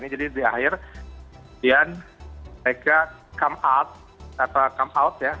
jadi di akhir kemudian mereka come out ya